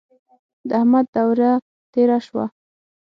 د احمد دوره تېره شوه.